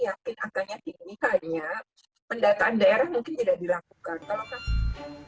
tapi angkanya ini hanya pendataan daerah mungkin tidak dilakukan